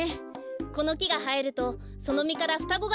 このきがはえるとそのみからふたごがうまれるんですよ。